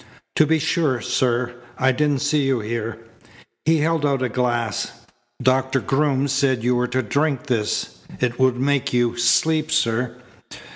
"To be sure, sir. I didn't see you here." He held out a glass. "Doctor Groom said you were to drink this. It would make you sleep, sir."